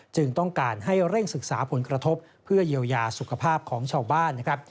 ต้องการให้เร่งศึกษาผลกระทบเพื่อเยียวยาสุขภาพของชาวบ้าน